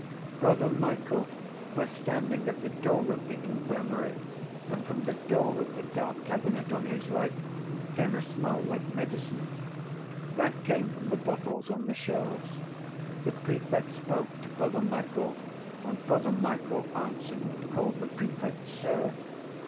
Brother Michael was standing at the door of the infirmary and from the door of the dark cabinet on his right came a smell like medicine. That came from the bottles on the shelves. The prefect spoke to Brother Michael and Brother Michael answered and called the prefect sir.